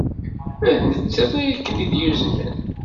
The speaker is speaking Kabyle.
D nettat ay ken-id-yuznen?